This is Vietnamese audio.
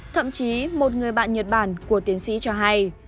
thậm chí một người bạn nhật bản của tiến sĩ cho hay